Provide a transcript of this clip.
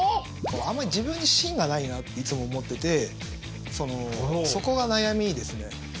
あんまり自分に芯がないなっていつも思っててそこが悩みですね。